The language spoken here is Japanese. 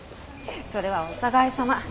それはお互いさま。